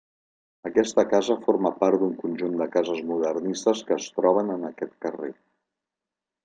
Aquesta casa forma part d'un conjunt de cases modernistes que es troben en aquest carrer.